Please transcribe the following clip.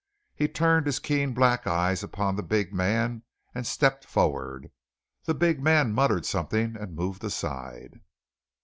He turned his keen black eyes upon the big man, and stepped forward. The big man muttered something and moved aside.